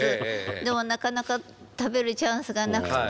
でもなかなか食べるチャンスがなくて。